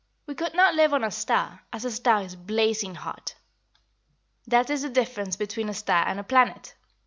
We could not live on a star, as a star is blazing hot. That is the difference between a star and a planet.